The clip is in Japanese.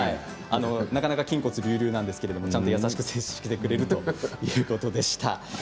なかなか筋骨隆々なんですけれどちゃんと優しく接してくれるということです。